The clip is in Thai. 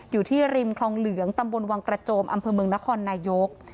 อยู่ที่ริมคลองเหลืองตำบลวังกระโจมอำเภอเมืองนครนายก